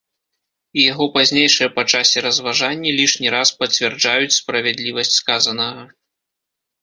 І яго пазнейшыя па часе разважанні лішні раз пацвярджаюць справядлівасць сказанага.